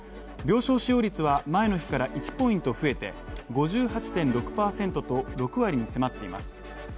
病床使用率は前の日から１ポイント増えて５８．６％と６割に迫っています。